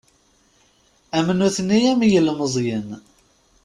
Am nutni am yilmeẓyen.